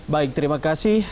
baik terima kasih